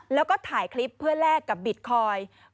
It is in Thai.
แล้วก็ถ่ายคลิปเพื่อแลกกับบิตคอยน์